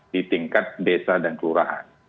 di tingkat desa dan kelurahan